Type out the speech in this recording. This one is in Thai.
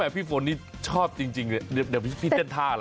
พี่ฝนนี่ชอบจริงเลยเดี๋ยวพี่เต้นท่าอะไร